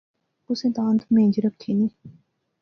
کُسے دانذ مہنج رکھےنے